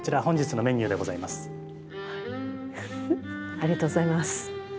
ありがとうございます。